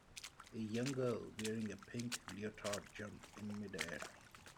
a young girl wearing a pink leotard jump in midair